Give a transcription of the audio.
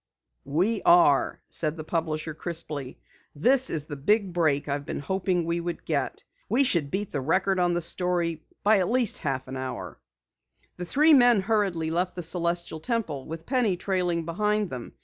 "We are," said the publisher crisply. "This is the big break I've been hoping we would get! We should beat the Record on the story by at least a half hour." The three men hurriedly left the Celestial Temple, with Penny trailing behind them.